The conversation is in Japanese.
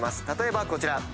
例えばこちら。